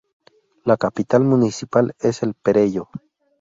La capital municipal es El Perelló.